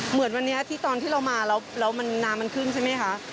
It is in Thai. เหมือนวันนี้ที่ตอนที่เรามาแล้วน้ำมันขึ้นใช่ไหมคะ